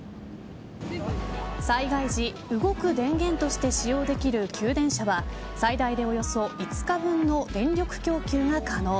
災害時、動く電源として使用できる給電車は最大で、およそ５日分の電力供給が可能。